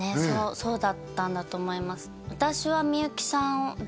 そうだったんだと思います